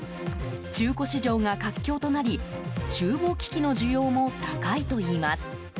中古市場が活況となり厨房機器の需要も高いといいます。